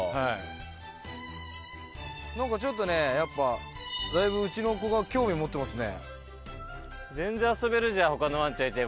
何かちょっとねやっぱだいぶうちの子が興味持ってますね。